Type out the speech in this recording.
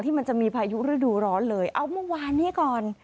มันจะมีพายุฤดูร้อนเลยเอาเมื่อวานนี้ก่อน